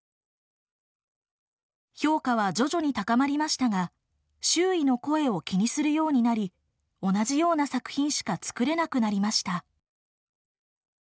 評価は徐々に高まりましたが周囲の声を気にするようになり同じような作品しか作れなくなりました。